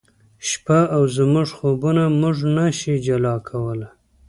شپه او زموږ خوبونه موږ نه شي جلا کولای